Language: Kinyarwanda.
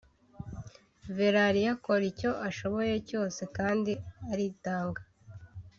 Valeria akora icyo ashoboye cyose kandi aritanga